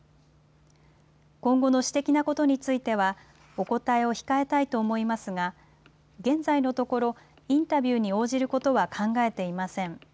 今後の私的なことについては、お答えを控えたいと思いますが、現在のところ、インタビューに応じることは考えていません。